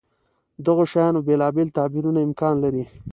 دغو شیانو بېلابېل تعبیرونه امکان لري.